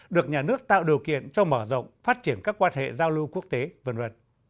được nhà nước tạo điều kiện cho mở rộng phát triển các quan hệ giao lưu quốc tế v v